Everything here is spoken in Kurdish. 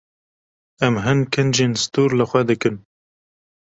Em hin kincên stûr li xwe dikin.